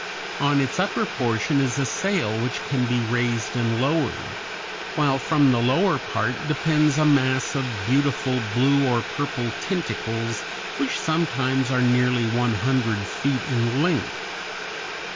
On its upper portion is a sail which can be raised and lowered, while from the lower part depends a mass of beautiful blue or purple tentacles which sometimes are nearly one hundred feet in length.